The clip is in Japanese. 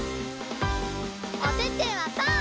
おててはパー！